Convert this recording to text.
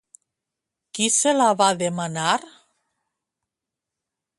Qui se la va demanar?